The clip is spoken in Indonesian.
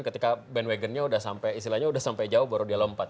ketika bandwagonnya sudah sampai jauh baru dia lompat